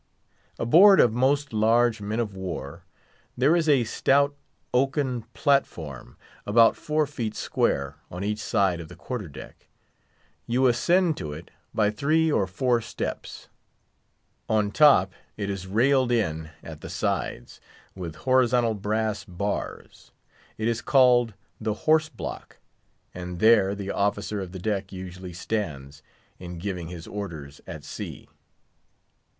Aboard of most large men of war there is a stout oaken platform, about four feet square, on each side of the quarter deck. You ascend to it by three or four steps; on top, it is railed in at the sides, with horizontal brass bars. It is called the Horse Block; and there the officer of the deck usually stands, in giving his orders at sea.